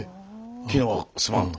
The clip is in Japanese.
昨日はすまんと？